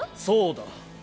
そうだ。